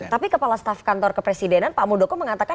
tapi kepala staf kantor kepresidenan pak muldoko mengatakan